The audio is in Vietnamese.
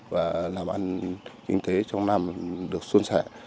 và làm ăn kinh tế trong năm được xuân sẻ